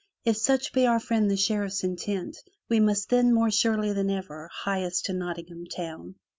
If such be our friiend the Sheriff's intent, we must then more surely than ever hie us to Nottingham town!'